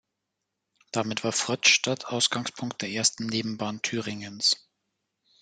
Damit war Fröttstädt Ausgangspunkt der ersten Nebenbahn Thüringens.